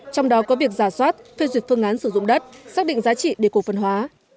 trong đó có việc giả soát phê duyệt phương án sử dụng đất xác định giá trị để cổ phần hóa